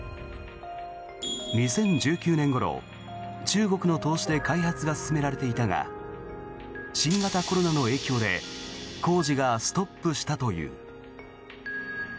２０１９年ごろ、中国の投資で開発が進められていたが新型コロナの影響で工事がストップしたという。